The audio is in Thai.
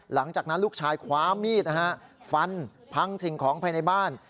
หลังจากนั้นลูกชายคว้ามีดฟันพังสิ่งของภายในบ้าน